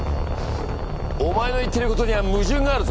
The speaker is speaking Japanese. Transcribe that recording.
お前の言ってることには矛盾があるぞ。